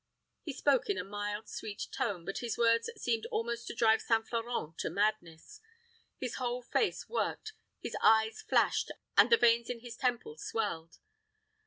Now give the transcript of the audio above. He spoke in a mild, sweet tone; but his words seemed almost to drive St. Florent to madness. His whole face worked, his eyes flashed, and the veins in his temple swelled.